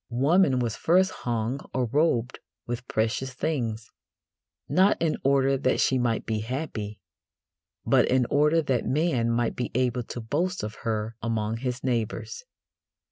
Woman was first hung or robed with precious things, not in order that she might be happy, but in order that man might be able to boast of her among his neighbours.